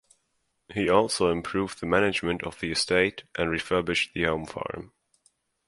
He also improved the management of the estate and refurbished the home farm.